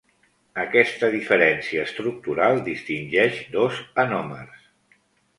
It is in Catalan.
Aquesta diferència estructural distingeix dos anòmers.